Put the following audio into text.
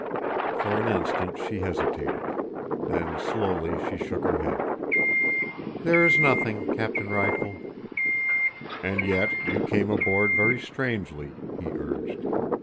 For an instant she hesitated, then slowly she shook her head. "There is nothing, Captain Rifle." "And yet—you came aboard very strangely," he urged.